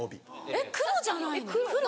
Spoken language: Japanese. ・えっ黒じゃないの？